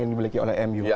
yang dimiliki oleh mu